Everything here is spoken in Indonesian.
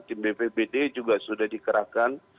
tim bpbd juga sudah dikerahkan